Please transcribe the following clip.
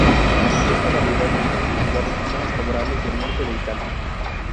Esta variedad de higo cultivado en zonas favorables del norte de Italia.